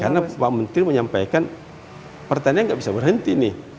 karena pak menteri menyampaikan pertanian tidak bisa berhenti ini